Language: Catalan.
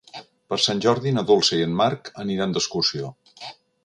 Per Sant Jordi na Dolça i en Marc aniran d'excursió.